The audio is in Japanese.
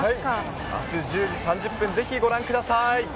あす１０時３０分、ぜひご覧ください。